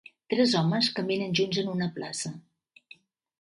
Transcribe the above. Tres homes caminen junts en una plaça.